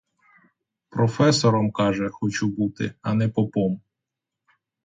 Професором, каже, хочу бути, а не попом.